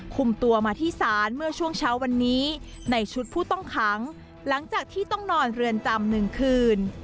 คุมตัวมาที่ศาลเมื่อช่วงเช้าวันนี้ในชุดผู้ต้องขังหลังจากที่ต้องนอนเรือนจำ๑คืน